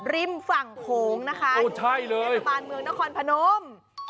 ริ่มฝั่งโขงนะคะอยู่ในเมืองนครพนม